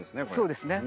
そうですね。